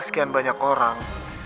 sekian banyak orang